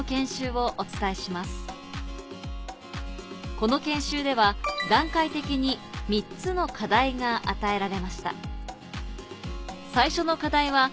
この研修では段階的に３つの課題が与えられました